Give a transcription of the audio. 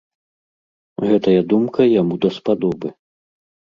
Гэтая думка яму даспадобы.